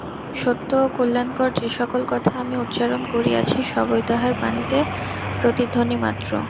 সত্য ও কল্যাণকর যে-সকল কথা আমি উচ্চারণ করিয়াছি, সবই তাঁহার বাণীর প্রতিধ্বনিমাত্র।